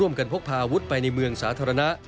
ร่วมกันพกพาอาวุธไปในเมืองสาธารณะ